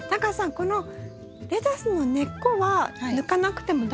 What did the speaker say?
このレタスの根っこは抜かなくても大丈夫なんですか？